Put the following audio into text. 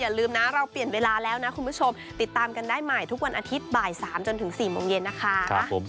ลืมนะเราเปลี่ยนเวลาแล้วนะคุณผู้ชมติดตามกันได้ใหม่ทุกวันอาทิตย์บ่าย๓จนถึง๔โมงเย็นนะคะ